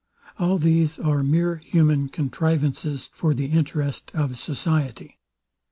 All these are mere human contrivances for the interest of society.